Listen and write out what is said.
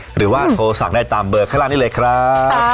หรือว่าโทรสั่งได้ตามเบอร์ข้างล่างนี้เลยครับ